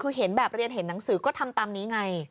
คือเห็นแบบเรียนเห็นหนังสือก็ทำตามนี้ไง